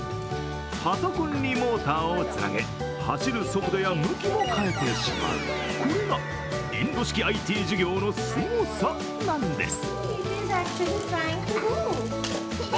パソコンにモーターをつなげ走る速度や向きも変えてしまうこれが、インド式ＩＴ授業のすごさなんです。